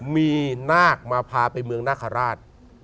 มีนาคมาพาไปเมืองนาคาราช